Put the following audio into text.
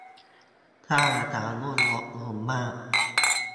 ถ้าราคาหุ้นลดลงมาก